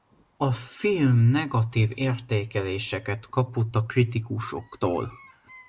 A film negatív értékeléseket kapott a kritikusoktól.